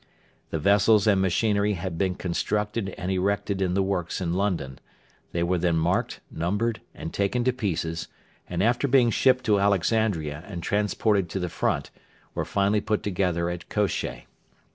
The vessels and machinery had been constructed and erected in the works in London; they were then marked, numbered, and taken to pieces, and after being shipped to Alexandria and transported to the front were finally put together at Kosheh.